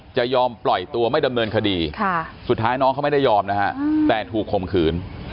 จะยอมปล่อยตัวไม่ดำเนินคดีสุดท้ายน้องเขาไม่ได้ยอมนะฮะแต่ถูกข่มขืน